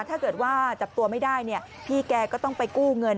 ถ้าเกิดว่าจับตัวไม่ได้พี่แกก็ต้องไปกู้เงิน